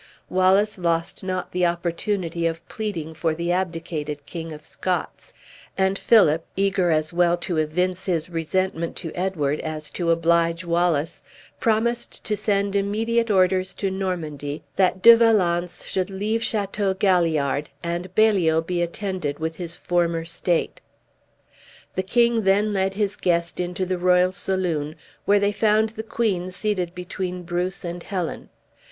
Wallace lost not the opportunity of pleading for the abdicated King of Scots; and Philip, eager as well to evince his resentment to Edward as to oblige Wallace, promised to send immediate orders to Normandy that De Valence should leave Chateau Galliard, and Baliol be attended with his former state. The king then led his guest into the royal saloon, where they found the queen seated between Bruce and Helen.